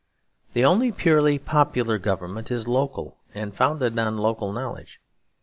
The only purely popular government is local, and founded on local knowledge.